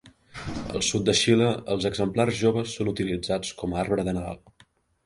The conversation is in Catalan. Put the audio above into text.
Al sud de Xile els exemplars joves són utilitzats com a arbre de Nadal.